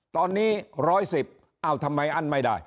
ตอนนี้๑๑๐เอ้าทำไมอั้นไม่ได้